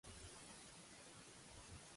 Ser un subnormal.